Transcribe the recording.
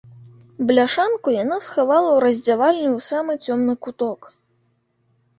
Бляшанку яна схавала ў раздзявальні ў самы цёмны куток.